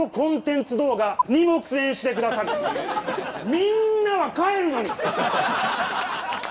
みんなは帰るのに！